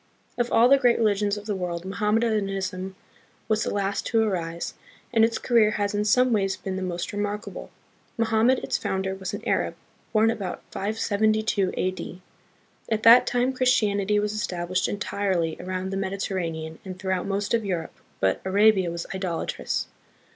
Of all the great religions of the world, Mohammedanism was the last to arise, and its career has in some ways been the most re markable. Mohammed, its founder, was an Arab, born about 572 A.D. At that time Christianity was established entirely around the Mediterranean and throughout most of Europe, but Arabia was idolatrous.